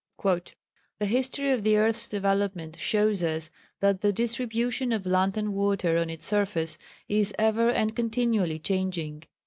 ] "The history of the earth's development shows us that the distribution of land and water on its surface is ever and continually changing.